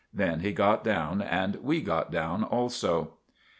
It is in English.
Then he got down and we got down also.